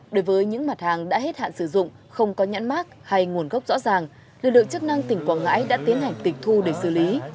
đối với những mặt hàng đã hết hạn sử dụng không có nhãn mát hay nguồn gốc rõ ràng lực lượng chức năng tỉnh quảng ngãi đã tiến hành tịch thu để xử lý